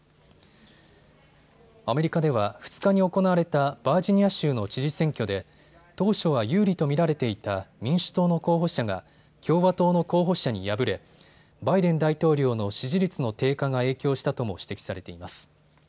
アメリカでは２日に行われたバージニア州の知事選挙で当初は有利と見られていた民主党の候補者が共和党の候補者に敗れ、バイデン大統領の支持率の低下が影響したとも指摘されています。